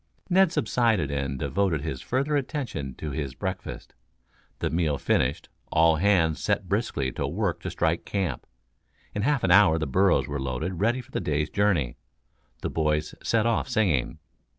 Ned subsided and devoted his further attention to his breakfast. The meal finished, all hands set briskly to work to strike camp. In half an hour the burros were loaded ready for the day's journey. The boys set off singing.